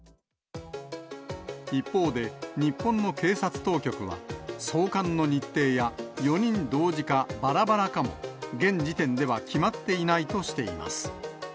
一方で、日本の警察当局は、送還の日程や４人同時か、ばらばらかも、現時点では決まっていないとしています。